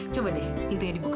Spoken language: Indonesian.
coba deh pintunya dibuka